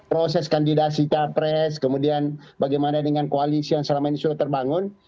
proses kandidasi capres kemudian bagaimana dengan koalisi yang selama ini sudah terbangun